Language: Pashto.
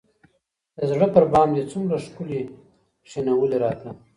د زړه پر بام دي څومره ښكلي كښېـنولي راته